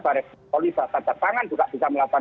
baris polis atas tangan juga bisa melakukan